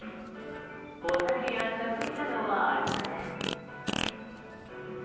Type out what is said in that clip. お酒や食事などはありません。